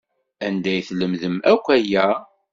Anda ay lemden akk aya?